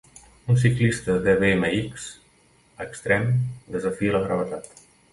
Un ciclista de BMX extrem desafia la gravetat